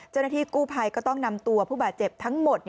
เจ้าหน้าที่กู้ภัยก็ต้องนำตัวผู้บาดเจ็บทั้งหมด